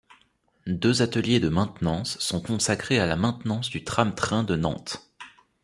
Deux ateliers de maintenance sont consacrés à la maintenance du tram-train de Nantes.